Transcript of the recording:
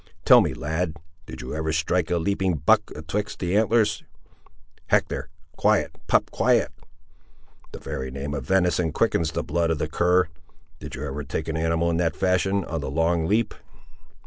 Tell me, lad; did you ever strike a leaping buck atwixt the antlers? Hector; quiet, pup; quiet. The very name of venison quickens the blood of the cur;—did you ever take an animal in that fashion, on the long leap?"